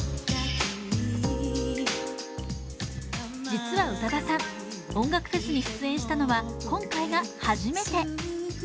実は宇多田さん、音楽フェスに出演したのは今回が初めて。